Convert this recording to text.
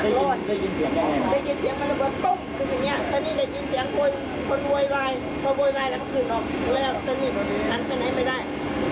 ตรงนี้พวกมันขั้นออกมาขั้นออกมาเลย